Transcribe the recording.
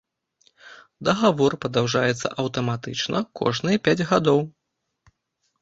Дагавор падаўжаецца аўтаматычна кожныя пяць гадоў.